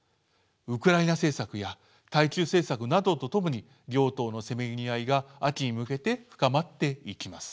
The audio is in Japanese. ウクライナ政策や対中政策などとともに両党のせめぎ合いが秋に向けて深まっていきます。